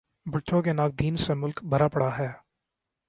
بھٹو کے ناقدین سے ملک بھرا پڑا ہے۔